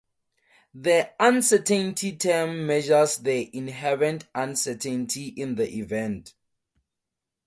The uncertainty term measures the inherent uncertainty in the event.